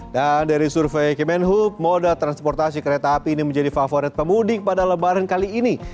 dan dari survei kemenhub moda transportasi kereta api ini menjadi favorit pemudik pada lebaran kali ini